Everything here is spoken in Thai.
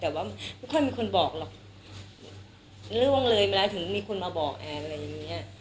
แต่ว่าไม่ค่อยมีคนบอกหรอกเรื่องเลยมาแล้วถึงมีคนมาบอกอะไรอย่างนี้